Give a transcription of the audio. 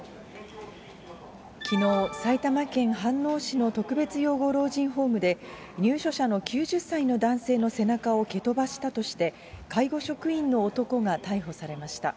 きのう、埼玉県飯能市の特別養護老人ホームで、入所者の９０歳の男性の背中を蹴飛ばしたとして、介護職員の男が逮捕されました。